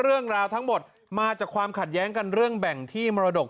เรื่องราวทั้งหมดมาจากความขัดแย้งกันเรื่องแบ่งที่มรดก